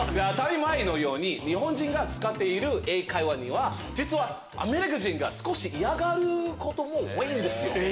当たり前のように日本人が使っている英会話は実はアメリカ人が少し嫌がることも多いんですよ。